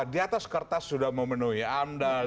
diatas kertas sudah memenuhi amdal